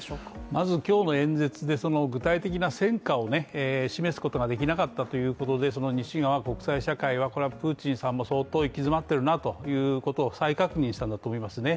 まず今日の演説で具体的な戦果を示すことができなかったということで西側国際社会は、プーチンさんも相当行き詰まっているなということを再確認したと思いますね。